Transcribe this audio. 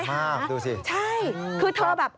ขอบคุณครับ